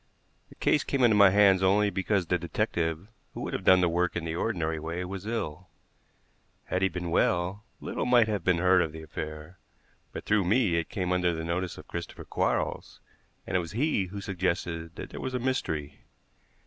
The case came into my hands only because the detective who would have done the work in the ordinary way was ill. Had he been well, little might have been heard of the affair; but through me it came under the notice of Christopher Quarles, and it was he who suggested that there was a mystery.